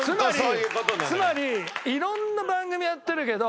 つまり色んな番組やってるけど。